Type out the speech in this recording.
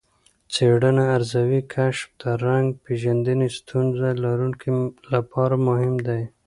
څېړنه ارزوي، کشف د رنګ پېژندنې ستونزه لرونکو لپاره مهم دی.